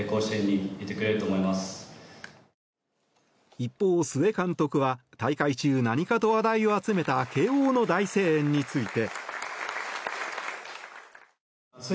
一方、須江監督は大会中、何かと話題を集めた慶応の大声援について。